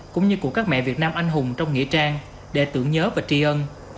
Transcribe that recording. cũng như của các mẹ việt nam anh hùng trong nghĩa trang để tưởng nhớ và tri ân